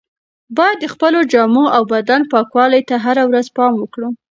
باید د خپلو جامو او بدن پاکوالي ته هره ورځ پام وکړو.